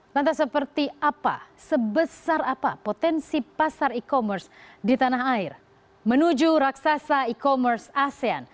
lantas seperti apa sebesar apa potensi pasar e commerce di tanah air menuju raksasa e commerce asean